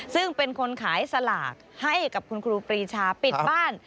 ซึ่งเป็นคนขายสลากให้กับคุณครูปรีชาปิดบ้าน